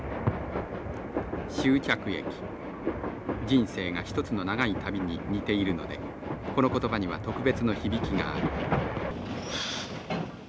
人生が一つの長い旅に似ているのでこの言葉には特別な響きがある。